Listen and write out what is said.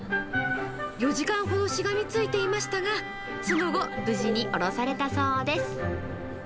４時間ほどしがみついていましたが、その後、無事に降ろされたそうです。